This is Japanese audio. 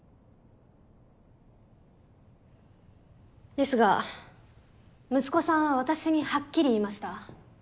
ですが息子さんは私にはっきり言いました。